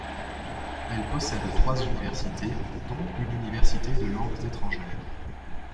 Elle possède trois universités, dont une université de langues étrangères.